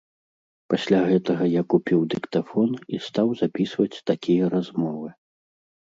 Пасля гэтага я купіў дыктафон і стаў запісваць такія размовы.